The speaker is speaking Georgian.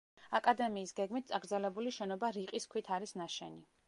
აკადემიის გეგმით წაგრძელებული შენობა რიყის ქვით არის ნაშენი.